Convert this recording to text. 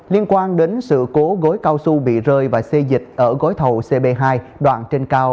liên quan đến sự cố gối cao su bị rơi và xây dịch ở gói thầu cb hai đoạn trên cao